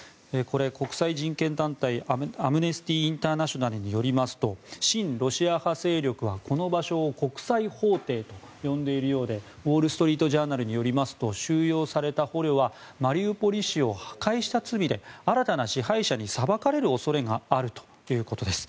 国際人権団体アムネスティ・インターナショナルによりますと親ロシア派勢力は、この場所を国際法廷と呼んでいるようでウォール・ストリート・ジャーナルによりますと収容された捕虜はマリウポリ市を破壊した罪で新たな支配者に裁かれる恐れがあるということです。